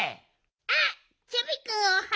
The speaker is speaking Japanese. あっチョビくん